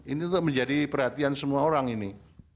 ini untuk menjadi perhatian semua orang ini